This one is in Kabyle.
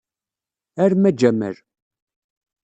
Arem a Jamal.